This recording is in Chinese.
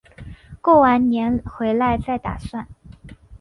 过完年回来再打算